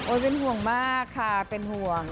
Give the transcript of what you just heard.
เป็นห่วงมากค่ะเป็นห่วง